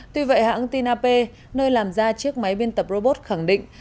tuy vậy hãng tin ap nơi làm ra chiếc máy biên tập robot khẳng định